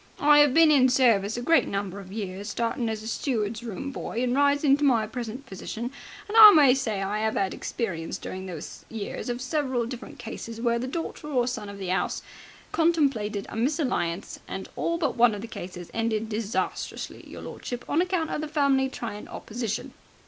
I 'ave been in service a great number of years, startin' as steward's room boy and rising to my present position, and I may say I 'ave 'ad experience during those years of several cases where the daughter or son of the 'ouse contemplated a misalliance, and all but one of the cases ended disastrously, your lordship, on account of the family trying opposition.